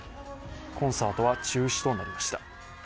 コンサートは中止となりました。